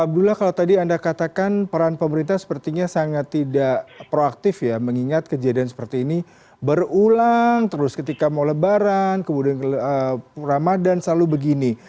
abdullah kalau tadi anda katakan peran pemerintah sepertinya sangat tidak proaktif ya mengingat kejadian seperti ini berulang terus ketika mau lebaran kemudian ramadhan selalu begini